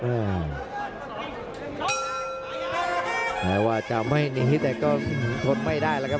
หมายว่าจะไม่หนีแต่ว่าทดไม่ได้ละครับ